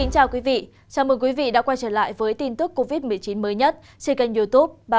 chào mừng quý vị đã quay trở lại với tin tức covid một mươi chín mới nhất trên kênh youtube ba trăm